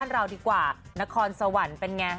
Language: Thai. เราดีกว่านครสวรรค์เป็นไง